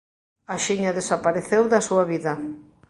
Axiña desapareceu da súa vida.